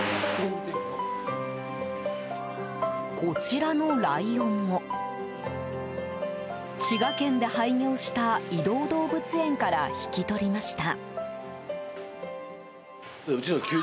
こちらのライオンも滋賀県で廃業した移動動物園から引き取りました。